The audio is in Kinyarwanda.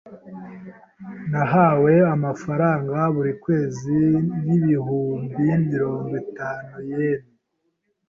Nahawe amafaranga buri kwezi y ibihumbi mirongo itanu yen.